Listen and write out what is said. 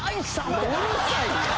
もううるさいねん！